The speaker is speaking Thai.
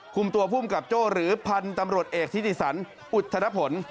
คุมตัวภูมิกับโจ้หรือพันธุ์ตำรวจเอกทิติสันอุทธนผล